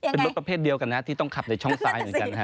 เป็นรถประเภทเดียวกันนะที่ต้องขับในช่องซ้ายเหมือนกันนะฮะ